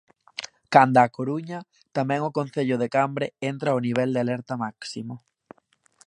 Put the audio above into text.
Canda A Coruña tamén o concello de Cambre entra o nivel de alerta máximo.